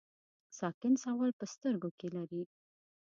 ساکن سوال په سترګو کې لري.